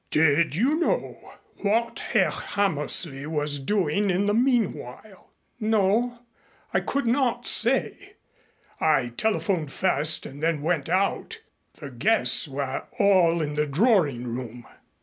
"Did you know what Herr Hammersley was doing in the meanwhile?" "No. I could not say. I telephoned first and then went out. The guests were all in the drawing room."